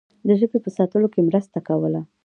د ژبې په ساتلو کې مرسته کوله.